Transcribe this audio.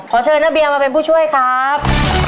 เชิญน้าเบียมาเป็นผู้ช่วยครับ